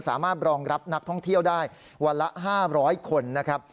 สามารถรองรับนักท่องเที่ยวได้วันละ๕๐๐คนนะครับ